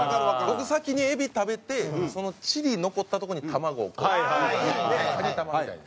僕先にエビ食べてそのチリ残ったとこに卵をこうカニ玉みたいに。